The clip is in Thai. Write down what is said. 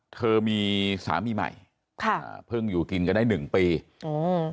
เธอมีสามีใหม่ค่ะเพิ่งอยู่กินกันได้หนึ่งปีอืม